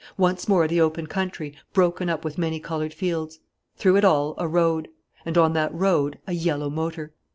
Once more the open country, broken up with many coloured fields. Through it all, a road. And, on that road, a yellow motor.